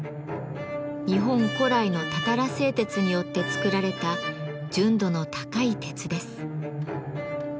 日本古来のたたら製鉄によって作られた純度の高い鉄です。